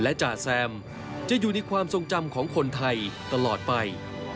จ่าแซมจะอยู่ในความทรงจำของคนไทยตลอดไป